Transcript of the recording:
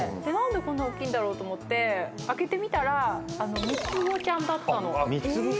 何でこんなおっきいんだろうと思って開けてみたら三つ子ちゃんだったの。